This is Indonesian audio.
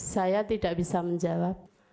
saya tidak bisa menjawab